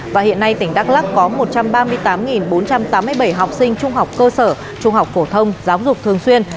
và hiện nay tỉnh đắk lắc có một trăm ba mươi tám bốn trăm tám mươi bảy học sinh trung học cơ sở trung học phổ thông giáo dục thường xuyên